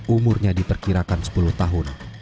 umurnya diperkirakan sepuluh tahun